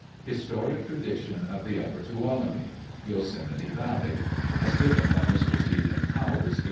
Historic Tradition of the Upper Tuolumne Yosemite Valley (As given by Mr. Stephen Powers, 1877.)